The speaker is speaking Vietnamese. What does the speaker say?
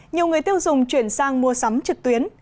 nhiều người tiêu dùng chuyển sang mua sắm trực tuyến